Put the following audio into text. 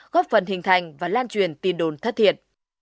góp phần hình thành và lan truyền tin đồn thất thiệt